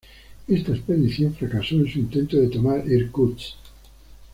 Esta expedición fracasó en su intento de tomar Irkutsk.